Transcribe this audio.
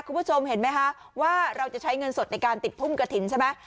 คุณผู้ชมเห็นไหมคะว่าเราจะใช้เงินสดในการติดพุ่มกระถิ่นใช่ไหม